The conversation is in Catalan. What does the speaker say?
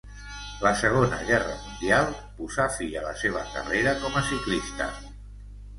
La Segona Guerra Mundial posà fi a la seva carrera com a ciclista.